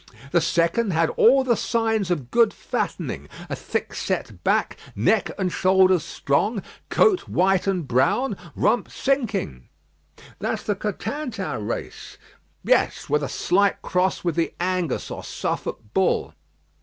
The second had all the signs of good fattening, a thick set back, neck and shoulders strong, coat white and brown, rump sinking." "That's the Cotentin race." "Yes; with a slight cross with the Angus or Suffolk bull."